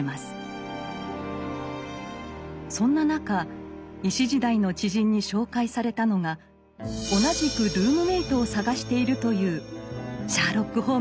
そんな中医師時代の知人に紹介されたのが同じくルームメートを探しているというシャーロック・ホームズでした。